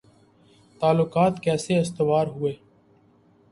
تعلقات کیسے استوار ہوئے